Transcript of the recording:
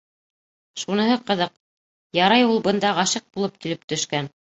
— Шуныһы ҡыҙыҡ: ярай ул бында ғашиҡ булып килеп төшкән.